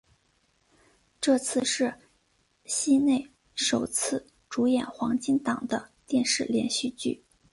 这次是西内首次主演黄金档的电视连续剧。